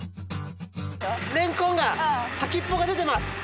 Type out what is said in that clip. れんこんが先っぽが出てます！